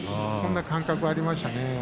そんな感覚がありましたね。